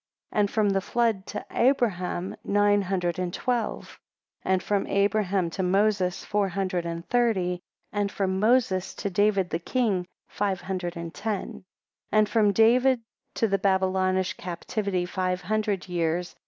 17 And from the flood to Abraham, nine hundred and twelve. And from Abraham to Moses, four hundred and thirty. And from Moses to David the King, five hundred and ten. 18 And from David to the Babylonish captivity five hundred years.